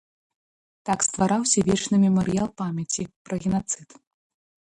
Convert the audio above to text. Так ствараўся вечны мемарыял памяці пра генацыд.